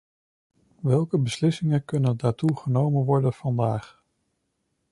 Welke beslissingen kunnen daartoe genomen worden vandaag?